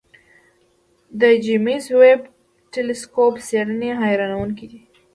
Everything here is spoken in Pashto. د جیمز ویب ټېلسکوپ څېړنې حیرانوونکې دي.